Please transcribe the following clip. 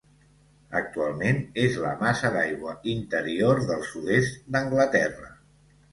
Actualment és la massa d'aigua interior del sud-est d'Anglaterra.